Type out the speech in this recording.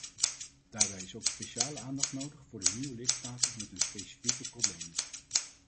Daarbij is ook speciale aandacht nodig voor de nieuwe lidstaten met hun specifieke problemen.